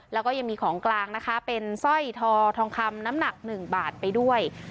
แล้วก็ยังมีของกลางนะคะเป็นสร้อยทอทองคำน้ำหนัก๑บาทไปด้วย